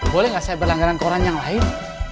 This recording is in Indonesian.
boleh ngga saya berlangganan koran yang lain